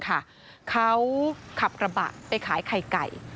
เขาขับกระบะไปขายไข่ไก่